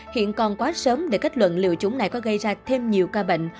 hiện còn quá sớm để kết luận liệu chúng này có gây ra thêm nhiều ca bệnh